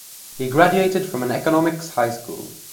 He graduated from an Economics High School.